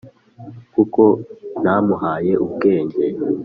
kuko ntamuhaye ubwenge